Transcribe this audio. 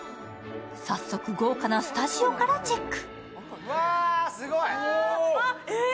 早速、豪華なスタジオからチェック。